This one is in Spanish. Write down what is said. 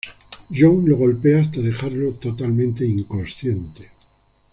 John lo golpea hasta dejarlo totalmente inconsciente.